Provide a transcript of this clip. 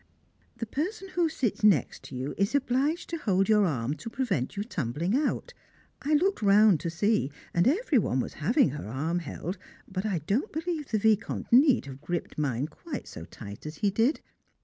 The person who sits next you is obliged to hold your arm to prevent your tumbling out. I looked round to see, and every one was having her arm held, but I don't believe the Vicomte need have gripped mine quite so tight as he did.